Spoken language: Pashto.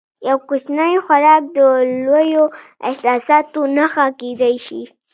یو کوچنی خوراک د لویو احساساتو نښه کېدای شي.